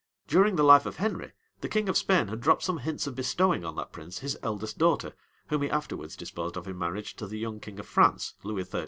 During the life of Henry, the king of Spain had dropped some hints of bestowing on that prince his eldest daughter, whom he afterwards disposed of in marriage to the young king of France, Lewis XIII.